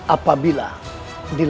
apabila di lantai